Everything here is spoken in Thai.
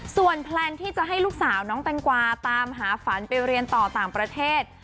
ส่วนแพลนที่จะให้ลูกสาวน้องแตงกวาตามหาฝันไปเรียนต่อต่างประเทศ